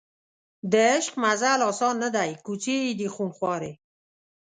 د عشق مزل اسان نه دی کوڅې یې دي خونخوارې